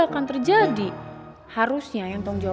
lo jangan sembarangan nuduh ya